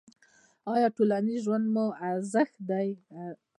ایا ټولنیز ژوند مو ښه دی؟